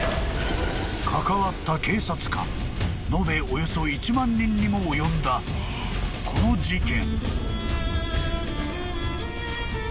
［関わった警察官延べおよそ１万人にも及んだこの事件］